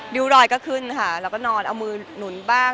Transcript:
รอยก็ขึ้นค่ะแล้วก็นอนเอามือหนุนบ้าง